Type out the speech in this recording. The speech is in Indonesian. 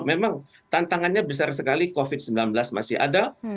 memang tantangannya besar sekali covid sembilan belas masih ada